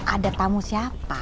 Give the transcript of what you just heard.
ada tamu siapa